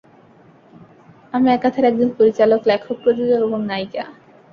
আমি একাধারে একজন পরিচালক, লেখক, প্রযোজক এবং নায়িকা।